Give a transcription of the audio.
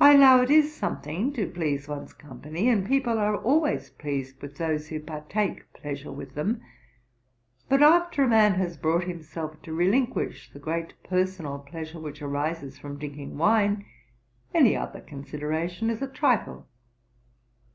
I allow it is something to please one's company: and people are always pleased with those who partake pleasure with them. But after a man has brought himself to relinquish the great personal pleasure which arises from drinking wine, any other consideration is a trifle.